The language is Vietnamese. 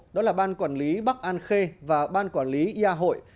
đó là ban quản lý bắc an khê và ban quản lý ya hội